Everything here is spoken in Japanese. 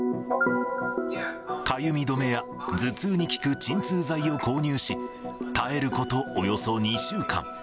かゆみ止めや頭痛に効く鎮痛剤を購入し、耐えることおよそ２週間。